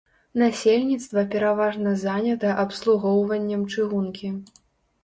Насельніцтва пераважна занята абслугоўваннем чыгункі.